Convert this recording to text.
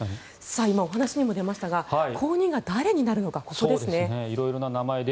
今、お話にも出ましたが後任が誰になるかですね。